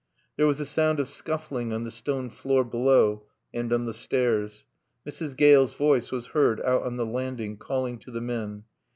There was a sound of scuffling on the stone floor below and on the stairs. Mrs. Gale's voice was heard out on the landing, calling to the men.